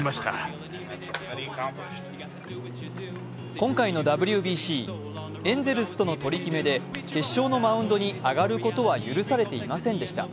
今回のＷＢＣ、エンゼルスとの取り決めで決勝のマウンドに上がることは許されていませんでした。